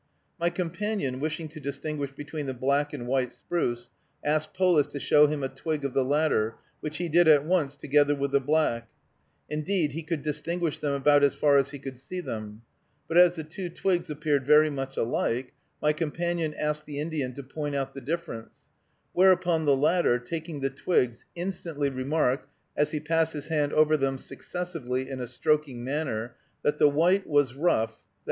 My companion, wishing to distinguish between the black and white spruce, asked Polis to show him a twig of the latter, which he did at once, together with the black; indeed, he could distinguish them about as far as he could see them; but as the two twigs appeared very much alike, my companion asked the Indian to point out the difference; whereupon the latter, taking the twigs, instantly remarked, as he passed his hand over them successively in a stroking manner, that the white was rough (_i. e.